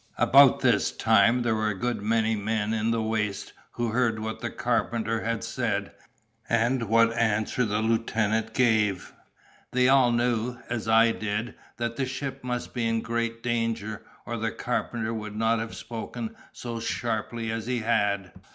About this time there were a good many men in the waist who heard what the carpenter had said, and what answer the lieutenant gave. They all knew, as I did, that the ship must be in great danger, or the carpenter would not have spoken so sharply as he had.